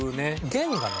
弦がね